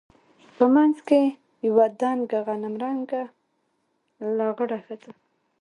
په منځ کښې يوه دنګه غنم رنګه لغړه ښځه.